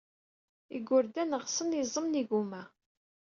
Igerdan ɣsen iẓem n yigumma.